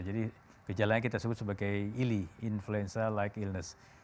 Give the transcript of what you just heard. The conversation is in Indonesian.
jadi gejalanya kita sebut sebagai ile influenza like illness